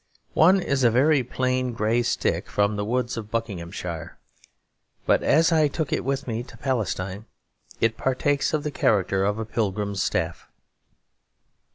One is a very plain grey stick from the woods of Buckinghamshire, but as I took it with me to Palestine it partakes of the character of a pilgrim's staff.